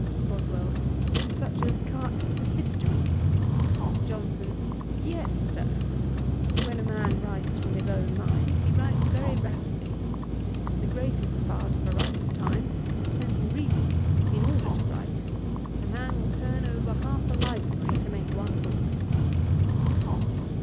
BOSWELL. 'Such as Carte's History?' JOHNSON. 'Yes, Sir. When a man writes from his own mind, he writes very rapidly. The greatest part of a writer's time is spent in reading, in order to write: a man will turn over half a library to make one book.'